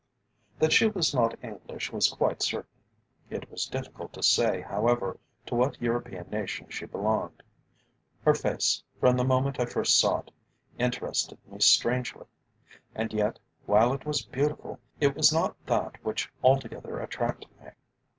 That she was not English was quite certain. It was difficult to say, however, to what European nation she belonged. Her face, from the moment I first saw it, interested me strangely. And yet, while it was beautiful, it was not that which altogether attracted me.